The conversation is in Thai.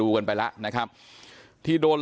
มีภาพวงจรปิดอีกมุมหนึ่งของตอนที่เกิดเหตุนะฮะ